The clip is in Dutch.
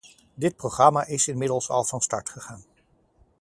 Dit programma is inmiddels al van start gegaan.